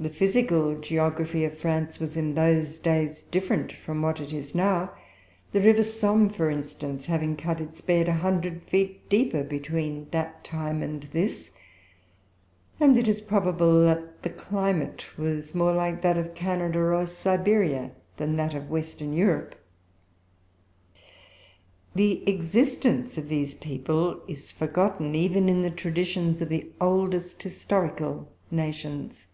The physical geography of France was in those days different from what it is now the river Somme, for instance, having cut its bed a hundred feet deeper between that time and this; and, it is probable, that the climate was more like that of Canada or Siberia, than that of Western Europe. The existence of these people is forgotten even in the traditions of the oldest historical nations.